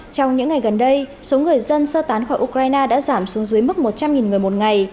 trong những ngày gần đây số người dân sơ tán khỏi ukraine đã giảm xuống dưới mức một trăm linh người một ngày